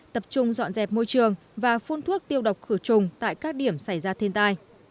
tập trung dọn dẹp môi trường và phun thuốc tiêu độc khử trùng tại các điểm xảy ra thiên tai